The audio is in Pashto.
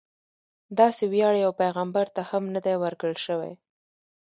داسې ویاړ یو پیغمبر ته هم نه دی ورکړل شوی.